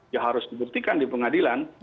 ya harus dibuktikan di pengadilan